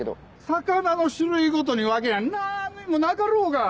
魚の種類ごとに分けりゃ何の意味もなかろうが。